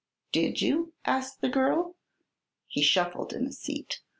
"Did you?" asked the girl. He shuffled in his seat.